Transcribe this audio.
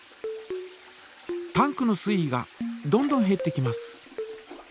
タンクの水位がどんどんへってきます。